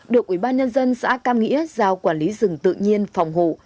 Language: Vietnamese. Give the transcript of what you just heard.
được ủy ban nhân dân xã cam nghĩa giao quản lý rừng tự nhiên phòng hộ